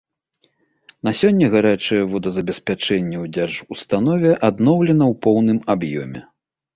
На сёння гарачае водазабеспячэнне ў дзяржустанове адноўлена ў поўным аб'ёме.